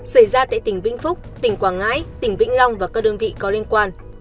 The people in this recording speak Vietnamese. xảy ra tại tỉnh vĩnh phúc tỉnh quảng ngãi tỉnh vĩnh long và các đơn vị có liên quan